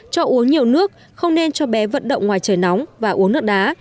cho uống nhiều nước không nên cho bé vận động ngoài trời nóng và uống nước đá